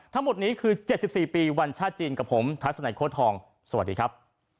ทั้งหมดนี้คือ๗๔ปีวันชาติจีนกับผมทัศนัยโค้ทองสวัสดีครับ